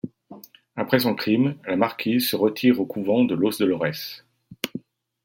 Après son crime, la marquise se retire au couvent de Los Dolorès.